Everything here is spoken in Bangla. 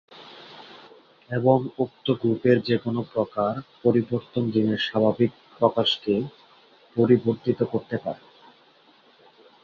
এবং উক্ত গ্রুপের যেকোনো প্রকার পরিবর্তন জিনের স্বাভাবিক প্রকাশকে পরিবর্তিত করতে পারে।